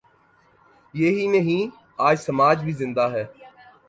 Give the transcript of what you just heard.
یہی نہیں، آج سماج بھی زندہ ہے۔